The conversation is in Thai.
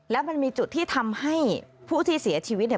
แล้วมันมีจุดที่ทำให้ผู้ที่เสียชีวิตเนี่ย